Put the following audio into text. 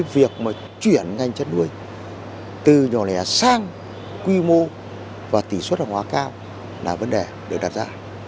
việc mà chuyển ngành chăn nuôi từ nhỏ lẻ sang quy mô và tỷ suất học hóa cao là vấn đề được đặt ra